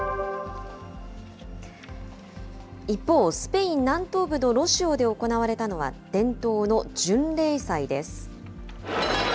一方、スペイン南東部のロシオで行われたのは、伝統の巡礼祭です。